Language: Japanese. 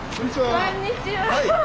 こんにちは。